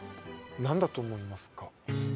何だと思いますか？